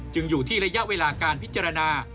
อยู่ที่ระยะเวลาการพิจารณา